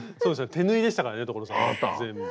手縫いでしたからね所さん全部。